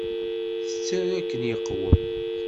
Tettaru akken iqwem.